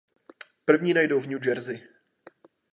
První najdou v New Jersey.